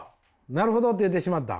「なるほど」って言ってしまった。